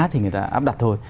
thì người ta áp đặt thôi